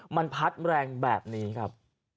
มันพัดแรงแบบนี้ครับ